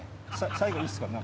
最後いいっすか？